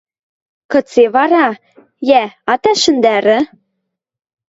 Кыце вара, йӓ, ат ӓшӹндӓрӹ?!